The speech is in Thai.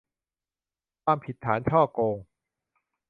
ความผิดฐานฉ้อโกง